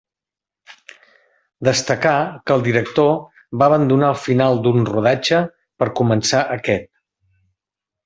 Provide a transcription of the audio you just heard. Destacar que el director va abandonar el final d'un rodatge per començar aquest.